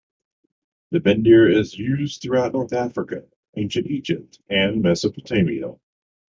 The bendir is used throughout North Africa, Ancient Egypt, and Mesopotamia.